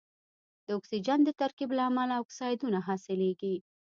د اکسیجن د ترکیب له امله اکسایدونه حاصلیږي.